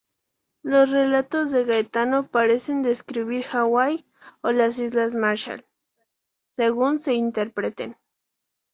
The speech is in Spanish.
Los relatos de Gaetano parecen describir Hawái o las islas Marshall, según se interpreten.